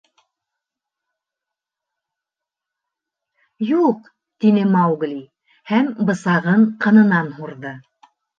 — Юҡ, — тине Маугли һәм бысағын ҡынынан һурҙы.